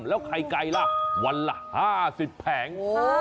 แล้วไข่ไก่ล่ะวันละ๕๐แผง